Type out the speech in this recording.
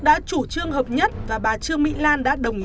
đã chủ trương hợp nhất và bà trương mỹ lan